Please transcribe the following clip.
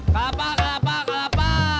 kelapa kelapa kelapa